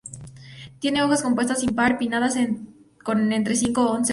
Tienen hojas compuestas impar pinnadas con entre cinco y once folíolos.